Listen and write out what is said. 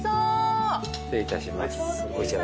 失礼いたします。